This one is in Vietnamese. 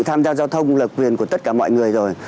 tham gia giao thông là quyền của tất cả mọi người rồi